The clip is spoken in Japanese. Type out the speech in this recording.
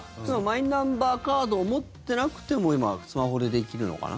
マイナンバーカードを持ってなくても今、スマホでできるのかな？